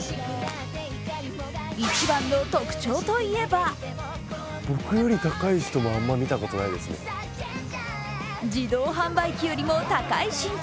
一番の特徴といえば自動販売機よりも高い身長。